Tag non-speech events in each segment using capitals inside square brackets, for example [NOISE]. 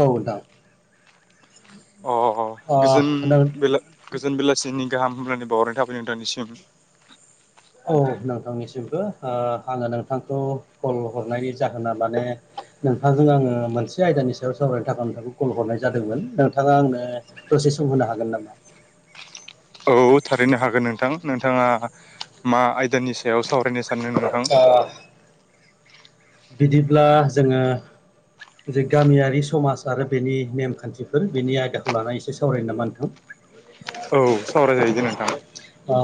औ नोंथां। अ गोजोन ओ नों बेला गोजोन बेलासिनि गाहाम हामग्लायनाय बावहरनाय थाबाय नोंथांनिसिम। औ नोंथांनिसिमबो ओ आङो नोंथांखौ कल हरनायनि जाहोना माने नोंथांजों आङो मोनसे आयदानि सायाव सावरायनो थाखाय नोंथांखौ कल हरनाय जादोंमोन। नोंथाङा आंनो दसे सम होनो हागोन नामा? औ थारैनो हागोन नोंथां। नोंथाङा मा आयदानि सायाव सावरायनो सा- सानो नोंथां? ओ बिदिब्ला जोङो जे गामियारि समाज आरो बेनि नेमखान्थिफोर बेनि आयदाखौ लानानै एसे सावरायनो नामा नोंथां। औ सावराय जाहैगोन नोंथां। अ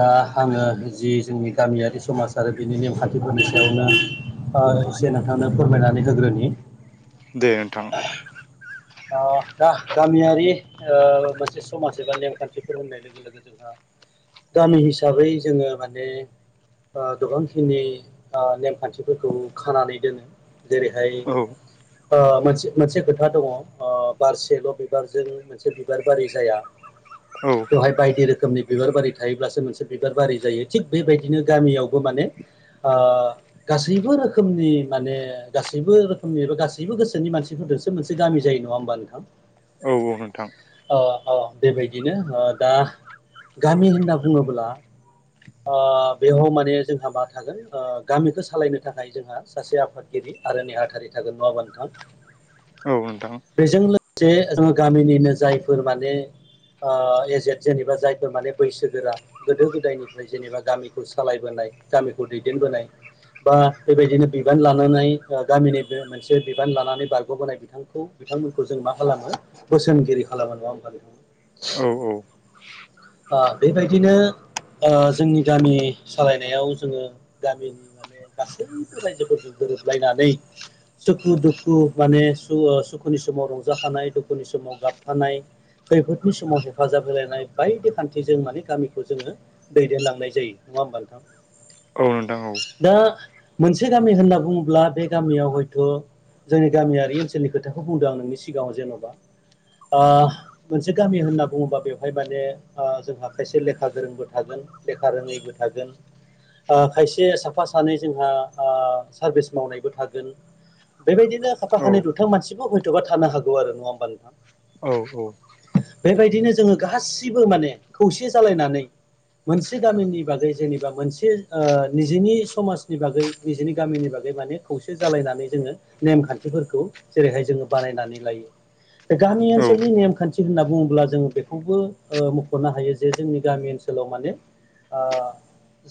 दा आङो जि जोंनि गामियारि समाज आरो बेनि नेमखान्थिफोरनि सायावनो एसे नोंथांनो फोरमायनानै होग्रोनि। दे नोंथां। ओ दा गामियारि ओ मोनसे समाज एबा नेमखान्थिफोर होननाय लोगो लोगो जोंहा गामि हिसाबै जोङो माने गोबांखिनि ओ नेमखान्थिफोरखौ खानानै दोनो। जेरैहाय औ ओ मोनसे-मोनसे खोथा दङ। ओ बारसेल' बिबारजों मोनसे बिबार बारि जाया। औ बेवहाय बायदि रोखोमनि बिबार बारि थायोब्लासो मोनसे बिबार बारि जायो। थिग बेबायदिनो गामियावबो माने ओ गासैबो रोखोमनि माने गासैबो रोखोमनि एबा गासैबो गोसोनि मानसिफोर जोंसो मोनसे गामि जायो। नङा होमबा नोंथां? औ औ नोंथां औ औ बेबायदिनो। दा गामि होनना बुङोब्ला ओ बेयाव माने जोंहा मा थागोन ओ गामिखौ सालायनो थाखाय जोंहा सासे आफादगिरि आरो नेहाथारि थागोन नङाबा नोंथां। औ नोंथां। बेजों लोगोसे जोङो गामिनिनो जायफोर माने ओ एजेट जेनेबा जायफोर माने बैसोगोरा गोदो-गोदायनि ओमफ्राय जेनेबा गामिखौ सालायबोनाय गामिखौ दैदेनबोनाय। बा बेबायदिनो बिबान लानानै गामिनि मोनसे बिबान लानानै बारग'बोनाय बिथांखौ बिथांमोनखौ जों मा खालामो बोसोनगिरि खालामो नङा होनबा नोंथां। औ औ। ओ बेबायदिनो ओ जोंनि गामि सालायनायाव जोङो गामिनि माने गासैबो रायजोफोरजों गोरोबलायनानै सुखु-दुखु मानेु सुखुनि समाव रंजाफानाय दुखुनि समाव गाबफानाय खैफोदनि समाव हेफाजाब होलायनाय बायदि खान्थिजों माने गामिखौ जोङो दैदेनलांनाय जायो नङा होमबा नोंथां। औ नोंथां औ दा मोनसे गामि होनना बुङोब्ला बे गामियाव हयथ' जोंनि गामियारि ओनसोलनि खोथाखौ बुंदों आं नोंनि सिगाङाव जेन'बा। ओ मोनसे गामि होनना बुङोबा बेवहाय माने ओ जोंहा खायसे लेखा गोरोंबो थागोन लेखा रोङैबो थागोन। ओ खायसे साफा सानै जोंहा ओ सारभिस मावनायबो थागोन। बेबायदिनो खाफा-खानै दुथां मानसिबो हयथ'बा थानो हागौ आरो नङा होमबा नोंथां। औ औ बेबायदिनो जोङो गासिबो माने खौसे जालायनानै मोनसे गामिनि बागै जेनेबा मोनसे ओ निजिनि समाजनि बागै निजिनि गामिनि बागै माने खौसे जालायनानै जोङो नेमखान्थिफोरखौ जेरैहाय जोङो बानायनानै लायो। दा गामि ओनसोलनि नेमखान्थि होनना बुङोब्ला जोङो बेखौबो ओ मख'नो हायो जे जोंनि गामि ओनसोलाव माने ओ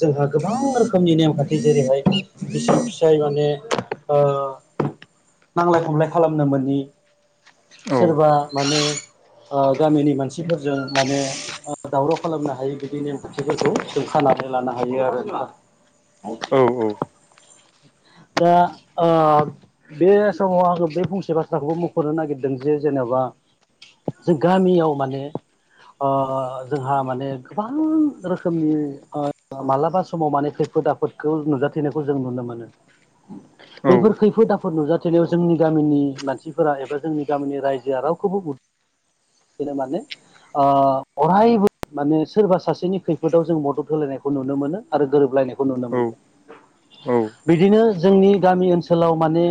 जोंहा गोबां रोखोमनि नेमखान्थि जेरैहाय बिसि-फिसाय माने ओ नांलाय-खमलाय खालामनो मोनि औ सोरबा माने ओ गामिनि मानसिफोरजों माने ओ दावराव खालामनो हायो बिदि नेमखान्थिफोरखौ जों खानानै लानो हायो आरो। औ औ। [INAUDIBLE] दा ओ बे समाव आङो बे फंसे बाथ्राखौबो मख'नो नागिरदों जे जेनेबा बा जों गामियाव माने ओ ओ जोंहा माने गोबां रोखोमनि ओ मालाबा समाव माने खैफोद आफोदखौ नुजाथिनायखौ जों नुनो मोनो। बैफोर खैफोद आफोद नुजाथिनायाव जोंनि गामिनि मानसिफोरा एबा जोंनि गामिनि रायजोआ रावखौबो दिनो माने ओ अरायबो माने सोरबा सासेनि खैफोदाव जों मदद होलायनायखौ नुनो मोनो आरो गोरोबलायनायखौ नुनो मोनो। [INAUDIBLE] औ बिदिनो जोंनि गामि ओनसोलाव माने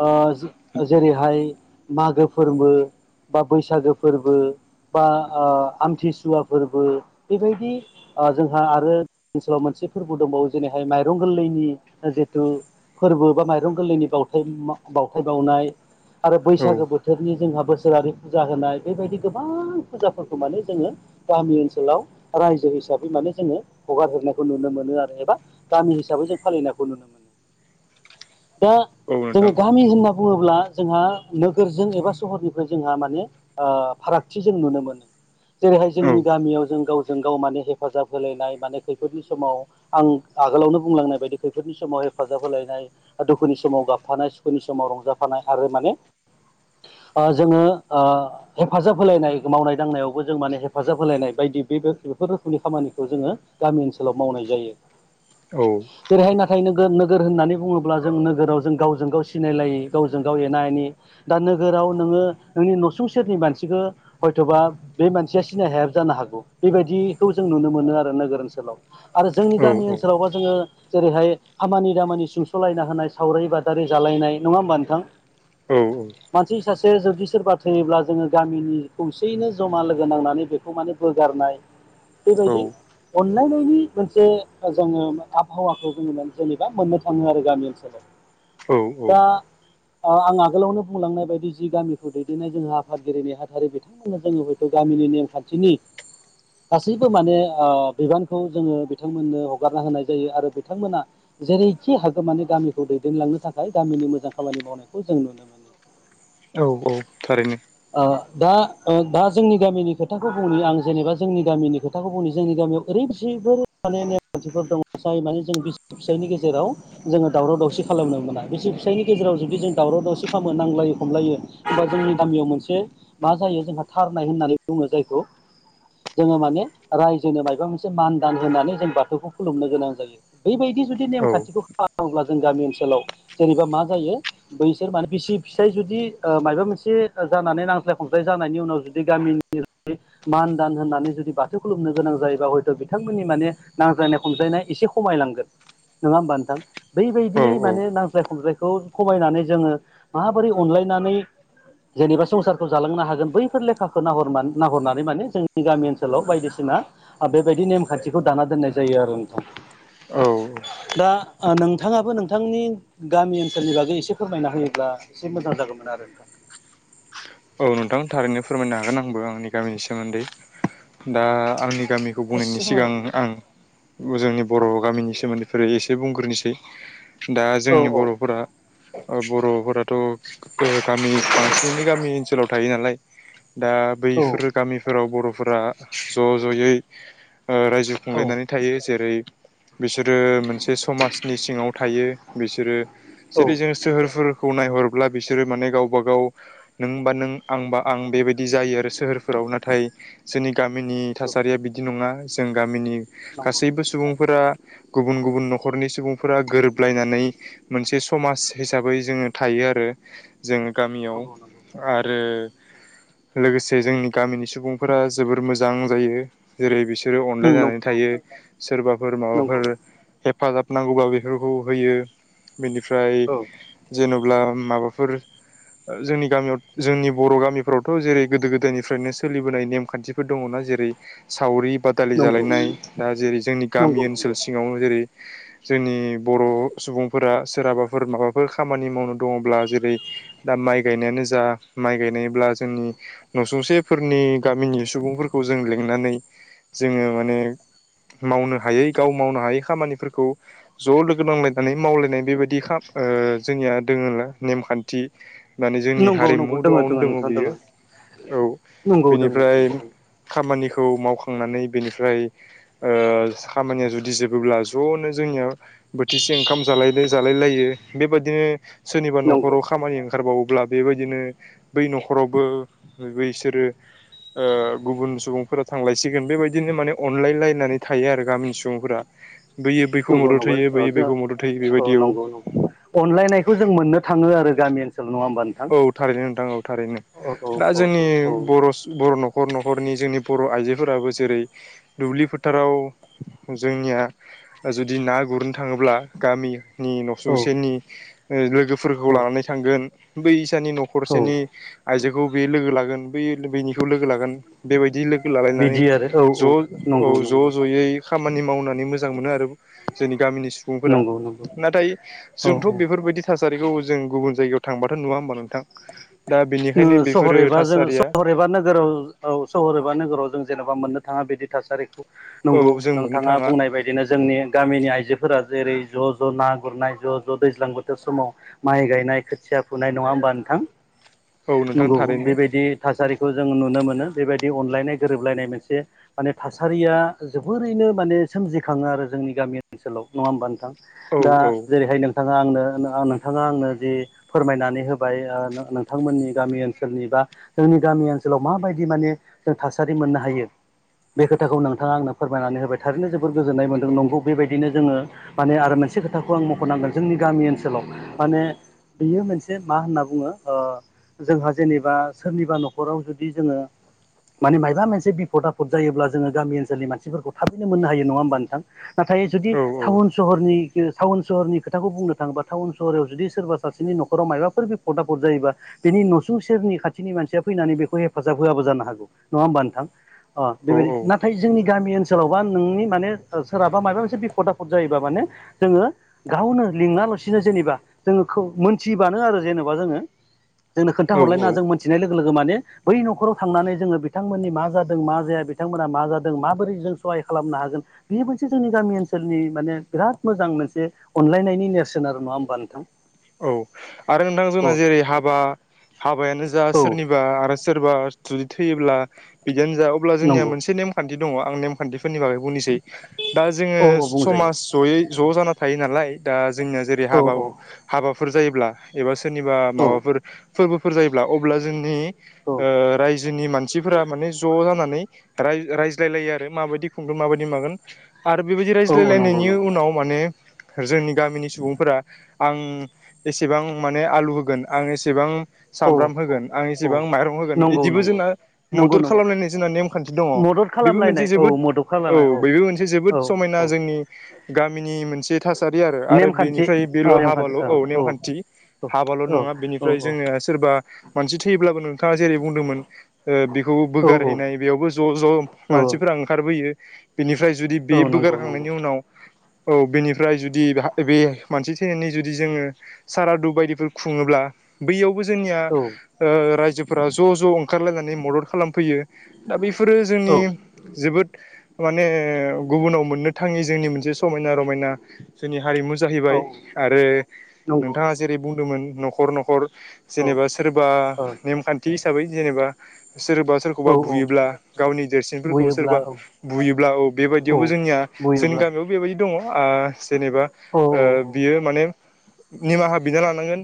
ओ जो जेरैहाय मागो फोर्बो बा बैसागो फोर्बो बा ओ आमथिसुवा फोर्बो बेबायदि ओ जोंहा आरो ओनसोलाव मोनसे फोर्बो दंबावो जेरैहाय माइरं गोरलैनि जितु फोर्बो बा माइरं गोरलैनि बावथाय म बावथाय बावनाय आरो औ बैसागो बोथोरनि जोंहा बोसोरारि फुजा होनाय बेबायदि गोबां फुजाफोरखौ माने जोङो गामि ओनसोलाव रायजो हिसाबै माने जोङो हगार हेरनायखौ नुनो मोनो आरो एबा गामि हिसाबै जों फालिनायखौ नुनो मोनो दा औ नोंथां जोङो औ गामि होनना बुङोब्ला जोंहा नोगोरजों एबा सहरनिफ्राय जोंहा माने ओ फारागथि जों नुनो मोनो। जेरैहाय जोंनि गामियाव जों गावजों गाव माने हेफाजाब होलायनाय माने खैफोदनि समाव आं आग - गोलावनो बुंलांनाय बायदि खैफोदनि समाव हेफाजाब होलायनाय दुखुनि समाव गाबफानाय सुखुनि समाव रंजाफानाय आर रो माने ओ जोङो ओ हेफाजाब होलायनाय मावनाय दांनायाव बो जों माने हेफाजाब होलायनाय बायदि बेबो बेफोर रोखोमनि खामानिखौ जोङो गामि ओनसोलाव मावनाय जायो। औ बेहाय नाथाय नोगोर नोगोर होननानै बुङोब्ला जों नोगोराव जों गावजों गाव सिनायलायि गावजों गाव एना एनि दा नोगोराव नोङो नोंनि नसुं सेरनि मानसिखौ हयथ'बा बे मानसिया सिनाय हायाबो जानो हागौ बेबायदिखौ जों नुनो मोनो आरो नोगोर ओनसोलाव। आरो जोंनि औ गामि ओनसोलावबा जोङो जेरैहाय खामानि दामानि सुंस'लायना होनाय सावरि बादारि जालायनाय नङा होमबा नोंथां? औ मानसि सासे जुदि सोरबा थैयोब्ला जोङो गामिनि खौसेयैनो जमा लोगो नांनानै बेखौ माने बोगारनाय बेबायदि अनलायनायनि मोनसे ओ जोङो आबहावाखौ जोङो मोन जेनेबा मोननो थाङो आरो गामि ओनसोलाव। [INAUDIBLE] औ औ। ओ आं आगोलावनो बुंलांनाय बायदि जि गामिखौ दैदेननाय जोंहा आफादगिरि नेहाथारि बिथांमोननो जोङो गामिनि नेमखान्थिनि गासैबो माने ओ बिबानखौ जोङो बिथांमोननो हगारना होनाय जायो आरो बिथांमोना जेरैखि हागौमानि गामिखौ दैदेनलांनो थाखाय गामिनि मोजां खामानि मावनायखौ जों नुनो मोनो। औ औ थारैनो। ओ दा ओ दा जोंनि गामिनि खोथाखौ बुंनि आं जेनेबा जोंनि गामिनि खोथाखौ बुंनि जोंनि गामियाव ओरैबायसिफोर माने थिफोर दं जाय माने जों बिसि फिसायनि गेजेराव जोङो दावराव दावसि खालामनो मोना बिसि फिसायनि गेजेराव जुदि जों दावराव दावसि खामो नांलायो खमलायो होमबा जोंनि गामियाव मोनसे मा जायो जोंहा थारनाय होननानै बुङो जायखौ जोङो माने रायजोनो मायबा मोनसे मान दान होनानै जों बाथौखौ खुलुमनो गोनां जायो बैबायदि जुदि औ नेमखान्थि खालामोब्ला जों गामि ओनसोलाव जेनेबा मा जायो बैसोर माने बिसि फिसाय जुदि ओ मायबा मोनसे जानानै नांज्लाय खमज्लाय जानायनि उनाव जुदि गामिनि मान दान होननानै जुदि बाथौ खुलुमनो गोनां जायोबा हयथ' बिथांमोननि माने नांज्लायनाय खमजायनाय एसे खमायलांगोन। नङा होमबा नोंथां औ बैबायदियै औ माने नांज्लाय खमज्लायखौ खमायनानै जोङो माबोरै अनलाय नानै जेनेबा संसारखौ जालांनो हागोन बैफोर लेख खाखो नाहरना नाहरनानै माने जोंनि गामि ओनसोलाव बायदिसिना आ बेबायदि नेमखान्थिखौ दाना दोननाय जायो जायो आरो नोंथां। औ। दा नोंथाङाबो नोंथांनि गामि ओनसोलनि बागै एसे फोरमायना होयोब्ला एसे मोजां जाय गौमोन आरो नोंथां। औ। नोंथां थारैनो फोरमायनो हागोन आंबो आंनि गामिनि सोमोन्दै। दा आंनि गामिखौ बुंनायनि सिगां नोंथां आं जोंनि बर' गामिनि सोमोन्दैफोर एसे बुंग्रोनोसै। दा औ जोंनि बर'फोरा ओ बर'फोराथ' गामि बांसिनैनो गामि ओनसोलाव थायो नालाय। दा औ बैफोर गामिफोराव बर'फोरा ज' ज'यै ओ रायजो औ खुंलायनानै थायो। जेरै बिसोरो मोनसे समाजनि सिङाव थायो। बिसोरो औ जेरै जों सोहोरफोरखौ नायहरब्ला बिसोरो माने गावबा गाव नों बा नों आंबा आं बेबायदि जायो आरो सोहोरफोराव नाथाय जोंनि गामिनि औ थासारिया बिदि नङा। जों गामिनि नंगौ गासैबो सुबुंफोरा गुबुन गुबुन न'खरनि सुबुंफोरा गोरोबलायनानै मोनसे समाज हिसाबै जोङो थायो। आरो जों गामियाव नंगौ आरो लोगोसे जोंनि गामिनि सुबुंफोरा जोबोर मोजां जायो। जेरै बिसोर बिसोरो अनलाय नंगौ जानानै थायो। सोरबाफोर नंगौ माबाफोर हेफाजाब नांगौबा बेफोरखौ होयो बेनिफ्राय औ जेन'ब्ला माबाफोर जोंनि गामियाव जोंनि बर' गामिफ्रावथ' जेरै गोदो गोदायनिफ्रायनो सोलिबोनाय नेमखान्थिफोर दङना। जेरै सावरि बादालि नंगौ जालायनाय दा जेरै जोंनि नंगौ गामि ओनसोल सिङाव जेरै [INAUDIBLE] जोंनि बर' सुबुंफोरा सोरहाबाफोर माबाफोर खामानि मावनो दङब्ला जेरै दा माइ गायनायानो जा माइ गायनायब्ला जोंनि न'सुंसेफोरनि गामिनि सुबुंफोरखौ जों लिंनानै जोङो माने मावनो हायै गाव मावनो हायै खामानिफोरखौ ज' लोगो नांलायनानै मावलायनाय बेबायदि ओ जोंनिया दोङो नेमखान्थि माने जोंनि नंगौ हारिमु दोङो दआवनो दोङो दङ नोंथां बियो दोङो औ नंगौ दोङो बिनिफ्राय दोङो खाम मानिखौ मावखांनानै बेनिफ्राय ओ खामानिया जुदि दि जोबोब्ला ज'नो जोंनियाव बोथिसे ओंखाम जालायल जालाय लायो बेबायदिनो सोरनिबा नंगौ न'खराव खामानि ओंखारबावोब्ला बेबायदिनो बै न'खरावबो बिसोरो ओ गुबुन सुबुंफोरा थांलायसिगोन बेबायदिनो माने अनलायलायनानै थायो आरो गामिनि सुबुंफोरा। बैयो बैखौ नंगौ मदद नंगौ होयो ओ बैयोै जो बैखौ मदद होयो औ बेबायदियाव नंगौ नंगौ अनलायनायखौ जों मोननो थाङो आरो। गामि ओनसोलाव नङा होमबा नोंथां औ थारैनो नोंथां औ थारैनो औ औ दा औ जोंनि औ बर' बर' न'खर न'खर न'खरनि जोंनि बर' आइजोफोराबो जेरै दुब्लि फोथाराव जोंनिया जुदि ना गुरनो थाङोब्ला गामि नि औ न'सुंसेनि लोगोफोरखौ लानानै औ थांगोन। बै फिसानि औ न'खरसेनि आइजोखौ बे लोगो लागोन बै बेनिखौ लोगो लागोन बेबायदि लोगो लालायनानै बिदि आरो औ ज' औ नंगौ ज' नंगौ ज'यै खामानि मावनानै मोजां मोनो आरो। जोंनि गामिनि सुबुंफोरा। नंगौ नंगौ नाथाय औ जोंथ' औ बेफोरबायदि थासारिखौ जों गुबुन जायगायाव थांबाथ' नुवा होमबा नोंथां। दा बेनिखायनो नोगोर बेफोरो सहर एबा जोङो थासारिया सहर एबा नोगोराव औ सहर एबा नोगोराव जों जेनेबा माबा मोननो थाङा बिदि थासारिखौ औ नंगौ जों मोननो नोंथाङा थाङा बुंनाय बायदिनो जोंनि गामिनि आइजोफोरा जेरै ज' ज' ना गुरनाय ज' ज' दैज्लां बोथोर समाव माइ गायनाय खोथिया फुनाय नङा होमबा नोंथां औ नोंथां नंगौ थारैनो बेबायदि थासारिखौ जों नुनो मोनो बेबायदि अनलायनाय गोरोबलायनाय मोनसे माने थासारिया जोबोरैनो माने सोमजिखाङो आरो जों जोंनि गामि ओनसोलाव नङा होनब्ला नोथां औ दा औ जेरैहाय नोंथाङा आंनो नोंथाङा आंनो जि फोरमायनानै होबाय नोंथांमोननि गामि ओनसोलनि बा जोंनि गामि ओनसोलाव माबायदि माने जों थासारि मोननो हायो बे खोथाखौ नोंथाङा आंनो फोरमायनानै होबाय थारैनो जोबोर गोजोननाय मोनदों नंगौ बेबायदिनो जोङो माने आरो मोनसे मोनसे खोथाखौ आं मख'नांगोन जोंनि गामि ओनसोलाव माने बेयो मोनसे मा होनना बुङो ओह जोंहा जेनेबा सोरनिबा न'खराव जुदि जोङो माने मायबा मोनसे बिफद आफद जायोब्ला जोङो गामि ओनसोलनि मानसिफोरखौ थाबैनो मोननो हायो नङा होमबा नोंथां नाथाय जुदि औ टाउन सहरनि टाउन सहरनि खोथाखौ बुंनो थाङोबा टाउन सहराव जुदि सोरबा सासेनि न'खराव मायबाफोर बिपद आपद जायोबा बेनि न'सुं सेरनि खाथिनि मानसिया फैनानै बेखौ हेफाजाब होआबो जानो हागौ नङा होमबा नोंथां औ बेबायदि नाथाय जोंनि गामि ओनसोलाव बा नोंनि माने सोरहाबा माबा मोनसे बिफद आफद जायोबा माने जोङो गावनो लिङाला'सिनो जेनेबा जोंखौ मोनथिब्लानो आरो जेनेबा जोङो जोंनो औ खोन्थाहरलायनाङा औ जों मोनथिनाय लोगो लोगो माने बै न'खराव थांनानै जोङो बिथांमोननि मा जादों मा जाया बिथांमोना मा जादों माबोरै जों खहाय खालामनो हागोन बियो मोनसे जोंनि गामि ओनसोलनि माने बिराद मोजां मोनसे अनलायनायनि नेरसोन नङा होनबा नोंथां औ आरो नोंथां जोंना औ जेरै हाबा हाबायानो जा औ सोरनिबा आरो सोरबा बा जुदि थैयोब्ला बिदियानो जा अब्ला जोंनिया नंगौ मोनसे नेमखान्थि दङ आं नेमखान्थिफोरनि बागै बुंनोसै दा जोङो औ औ बुंजायो समाज जयै ज' जाना थायो नालाय दा जोंनिया जेरै औ हाबा हाबाफोर जायोब्ला एबा सोरनिबा औ माबाफोर फोरबोफोर जायोब्ला अब्ला जोंनि औ ओह रायजोनि मानसिफोरा माने ज' जानानै नै रायज्लायलायो आरो माबायदि खुंगोन माबायदि मागोन आरो बेबायदि औ नंगौ रायज्लायलायनायनि नंगौ उनाव माने जोंनि गामिनि सुबुंफोरा आं एसेबां माने आलु होगोन आं एसेबां औ सामब्राम औ होगोन आं औ इसेबां माइरं होगोन नंगौ बिदिबो नंगौ जोंना नंगौ मदद नंगौ खालामनायनि जोंना नेमखान्थि दङ मदद बेबो मोनसे खालामलायनाय औ जोबोद मदद औ खालामलायनाय बेबो मोनसे जोबोद औ समायना औ जोंनि गामिनि मोनसे थासारि आरो आरो नेमखान्थि बेनिफ्राय औ बेल' नेमखान्थि हाबाल' औ औ नेमखान्थि हाबाल' नङा औ बेनिफ्राय औ जोङो सोरबा मानसि थैयोब्लाबो नोंथाङा जेरै बुंदोंमोन बेखौ औ बोगारहैनाय बेयावबो ज' ज' औ मानसिफोरा ओंखार फैयो बेनिफ्राय जुदि औ बे नंगौ नंगौ बोगारखांनायनि उनाव औ बेनिफ्राय जुदि बे मानसि थैनायनि जुदि जोङो सारादु बायदिफोर खुङोब्ला बैयावबो जोंनिया औ ओह रायजोफोरा ज' ज' ओंखारलायनानै मदद खालामफैयो दा बैफोरो औ जोंनि जोबोद माने गुबुनाव मोननो थाङि जोंनि मोनसे समायना रमायना जोंनि हारिमु औ जाहैबाय आरो नंगौ नोंथाङा नंगौ जेरै बुंदोमोन न'खर न'खर औ जेनेबा सोरबा औ नेमखान्थि हिसाबै जेनेबा सोरबा सोरखौबा औ बुयोब्ला गावनि देरसिनफोरखौ बुयोब्ला सोरबा औ बुयोब्ला औ बेबायदियावबो जोंनिया जोंनि बुयोब्ला गामियाव बेबायदि दङ ओ जेनेबा औ ओ औ बियो माने निमाहा बिना लानांगोन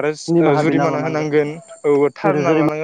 आरो निमाहा बिना जुरिमाना लानांगोन होनांगोन औ जेरै थारना जेरै लानांगोन